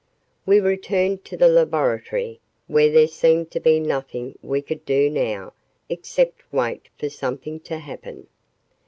We returned to the laboratory, where there seemed to be nothing we could do now except wait for something to happen.